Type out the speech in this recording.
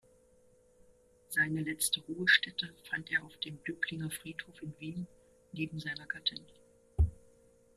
Seine letzte Ruhestätte fand er auf dem Döblinger Friedhof in Wien, neben seiner Gattin.